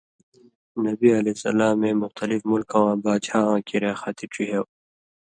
نبی علیہ سلامے مختلف مُلکہ واں باچھاواں کیریا خَطی ڇِہېو،